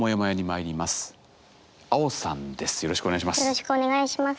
よろしくお願いします。